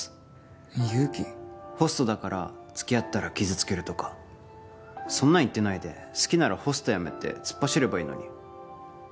ホストだからつきあったら傷つけるとかそんなん言ってないで好きならホスト辞めて突っ走ればいいのに。